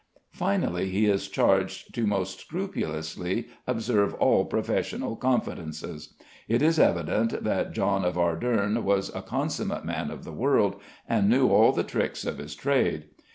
Finally, he is charged to most scrupulously observe all professional confidences. It is evident that John of Arderne was a consummate man of the world, and knew all the tricks of his trade.